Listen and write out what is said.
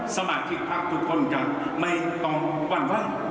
สมาชิกทางทุกคนก็ไม่ต้องวั่นไว้